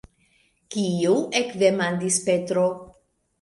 Kiu? ekdemandis Petro.